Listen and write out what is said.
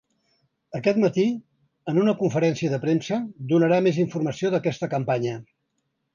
Aquest matí, en una conferència de premsa, donarà més informació d’aquesta campanya.